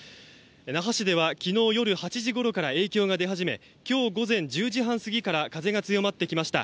那覇市では昨日夜８時ごろから影響が出始め今日午前１０時半過ぎから風が強まってきました。